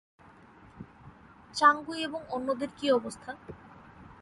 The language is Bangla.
চাংগুই এবং অন্যদের কী অবস্থা?